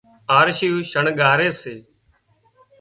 آرشيون شڻڳاري سي